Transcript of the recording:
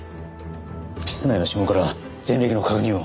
室内の指紋から前歴の確認を。